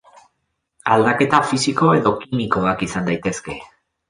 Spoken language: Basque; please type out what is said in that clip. Aldaketa fisiko edo kimikoak izan daitezke.